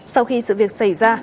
sau khi sự việc xảy ra